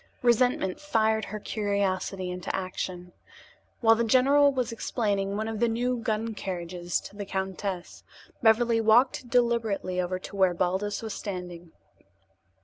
Resentment fired her curiosity into action. While the general was explaining one of the new gun carriages to the countess, Beverly walked deliberately over to where Baldos was standing.